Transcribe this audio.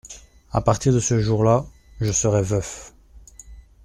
A partir de ce jour-là, je serai veuf.